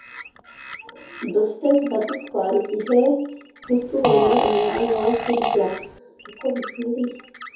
dufite zikadutwara igihe ntitubone umwanya wo kurya uko bikwiriye.